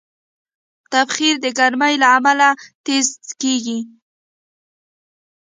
تبخیر د ګرمۍ له امله تېز کېږي.